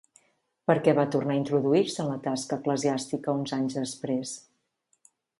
Per què va tornar a introduir-se en la tasca eclesiàstica uns anys després?